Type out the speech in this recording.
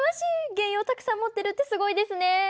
原油をたくさん持ってるってすごいですね。